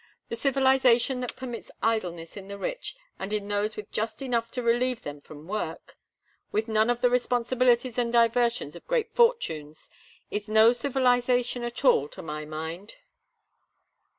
The civilization that permits idleness in the rich and in those with just enough to relieve them from work, with none of the responsibilities and diversions of great fortunes, is no civilization at all, to my mind.